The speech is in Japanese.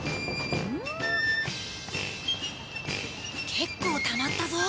結構たまったぞ。